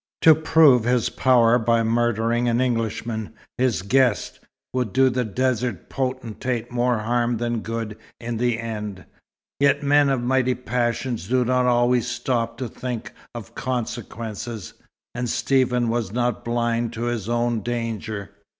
To prove his power by murdering an Englishman, his guest, would do the desert potentate more harm than good in the end; yet men of mighty passions do not always stop to think of consequences, and Stephen was not blind to his own danger.